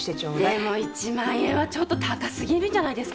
でも１万円はちょっと高すぎるんじゃないですか？